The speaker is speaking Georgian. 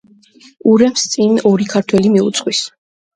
ურემს წინ ორი ქართველი მიუძღვის.